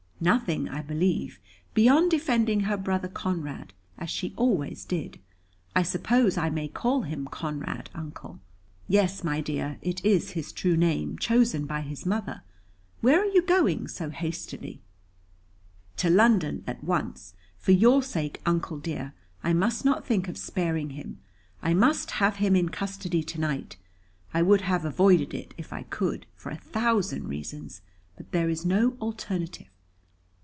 "Nothing, I believe, beyond defending her brother Conrad, as she always did. I suppose I may call him 'Conrad,' Uncle?" "Yes, my dear, it is his true name, chosen by his mother. Where are you going so hastily?" "To London at once. For your sake, Uncle dear, I must not think of sparing him. I must have him in custody to night. I would have avoided it, if I could for a thousand reasons; but there is no alternative."